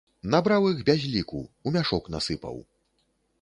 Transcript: Набраў іх без ліку, у мяшок насыпаў!